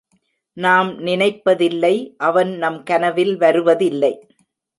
நாம் நினைப்பதில்லை அவன் நம் கனவில் வருவதில்லை.